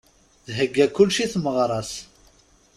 Thegga kullec i tmeɣra-s.